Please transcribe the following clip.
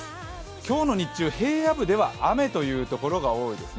今日の日中、平野部では雨という所が多いですね。